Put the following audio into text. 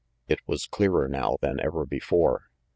It was clearer now than ever before.